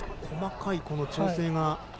細かい調整が。